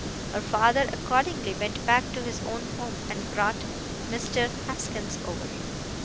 Her father accordingly went back to his own home, and brought Mr. Haskins over.